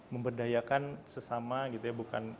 pemberdayakan sesama gitu ya